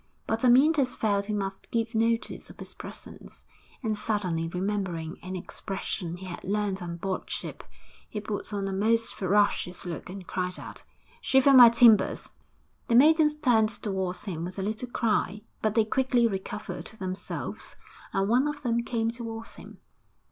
But Amyntas felt he must give notice of his presence, and suddenly remembering an expression he had learnt on board ship, he put on a most ferocious look and cried out, 'Shiver my timbers!' The maidens turned towards him with a little cry, but they quickly recovered themselves and one of them came towards him.